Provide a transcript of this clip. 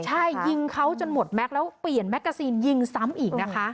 ใช่ยิงเขาจนหมดแม็กซ์แล้วเปลี่ยนแมกกาซีนยิงซ้ำอีกนะคะ